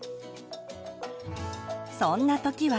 そんな時は。